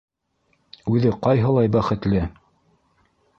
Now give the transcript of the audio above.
Үҙе ҡайһылай бәхетле!